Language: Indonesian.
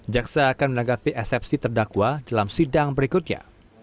jaksa akan menanggapi eksepsi terdakwa dalam sidang berikutnya